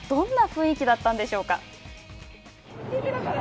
どんな雰囲気だったんでしょうか。